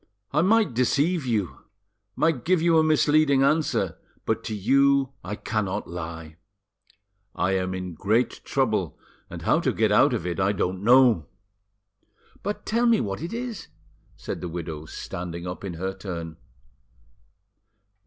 "I might deceive you, might give you a misleading answer, but to you I cannot lie. I am in great trouble, and how to get out of it I don't know." "But tell me what it is," said the widow, standing up in her turn.